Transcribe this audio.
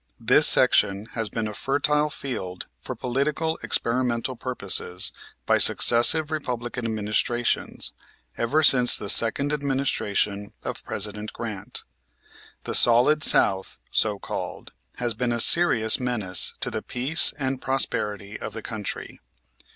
This section has been a fertile field for political experimental purposes by successive Republican administrations, ever since the second administration of President Grant. The Solid South, so called, has been a serious menace to the peace and prosperity of the country.